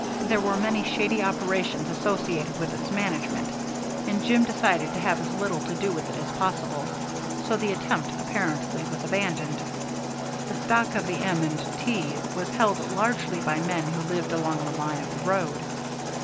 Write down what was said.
There were many shady operations associated with its management, and Jim decided to have as little to do with it as possible, so the attempt apparently was abandoned. The stock of the M. & T. was held largely by men who lived along the line of the road.